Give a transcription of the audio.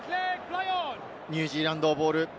ニュージーランドボール。